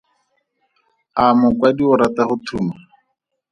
A mokwadi o rata go thuma?